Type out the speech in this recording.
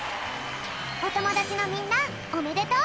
おともだちのみんなおめでとう！